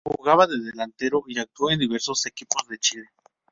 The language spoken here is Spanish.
Jugaba de delantero y actuó en diversos equipos de Chile.